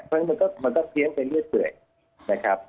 เพราะฉะนั้นมันก็เพี้ยงเป็นเลือดเผื่อยนะครับ